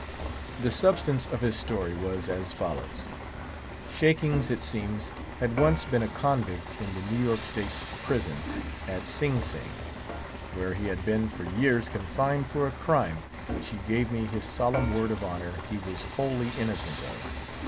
The substance of his story was as follows: Shakings, it seems, had once been a convict in the New York State's Prison at Sing Sing, where he had been for years confined for a crime, which he gave me his solemn word of honour he was wholly innocent of.